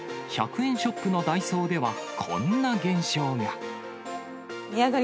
１００円ショップのダイソーでは、こんな現象が。